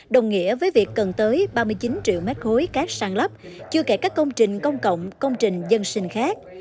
đồng nghĩa với việc cần tới ba mươi chín triệu mét khối cát sàn lấp chưa kể các công trình công cộng công trình dân sinh khác